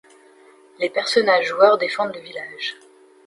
Les personnages-joueurs défendent le village.